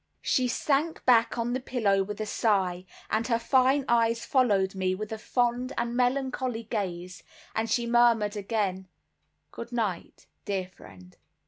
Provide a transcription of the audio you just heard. She sank back on the pillow with a sigh, and her fine eyes followed me with a fond and melancholy gaze, and she murmured again "Good night, dear friend."